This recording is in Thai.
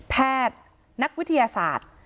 แพทย์นักวิทยาศาสตร์